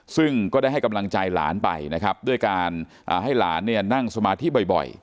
ซึ่งก็ได้ให้กำลังใจหลานไปนะครับด้วยการให้หลานเนี่ยนั่งสมาธิบ่อย